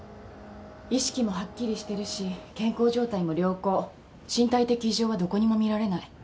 意識もはっきりしてるし健康状態も良好身体的異常はどこにも見られない。